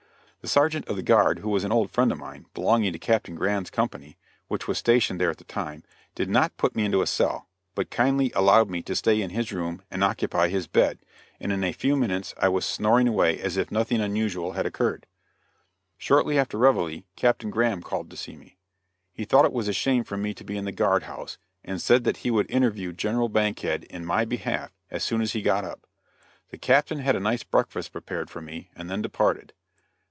The sergeant of the guard who was an old friend of mine, belonging to Captain Graham's company, which was stationed there at the time did not put me into a cell, but kindly allowed me to stay in his room and occupy his bed, and in a few minutes I was snoring away as if nothing unusual had occurred. Shortly after reveille Captain Graham called to see me. He thought it was a shame for me to be in the guard house, and said that he would interview General Bankhead in my behalf as soon as he got up. The Captain had a nice breakfast prepared for me, and then departed.